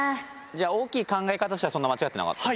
じゃあ大きい考え方としてはそんな間違ってなかった？